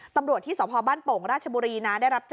ตำรวจที่สภาพบ้านโป่งราชบุรีนะ